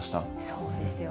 そうですよね。